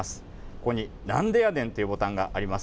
ここに、なんでやねんというボタンがあります。